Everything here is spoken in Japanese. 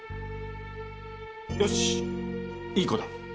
よしいい子だ。